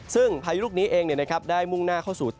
ซึ่งพายุลูกนี้เองได้มุ่งหน้าเข้าสู่